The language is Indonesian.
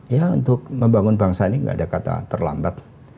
ya untuk membangun bangsa ini gak ada kata terlambat